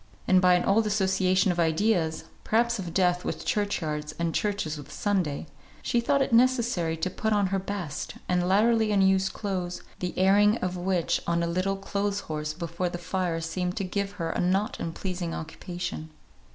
And by an old association of ideas (perhaps of death with church yards, and churches with Sunday) she thought it necessary to put on her best, and latterly unused clothes, the airing of which on a little clothes horse before the fire seemed to give her a not unpleasing occupation.